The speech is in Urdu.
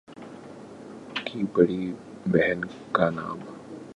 کی بڑی بہن کا نام